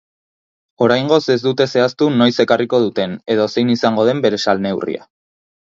Oraingoz ez dute zehaztu noiz ekarriko duten edo zein izango den bere salneurria.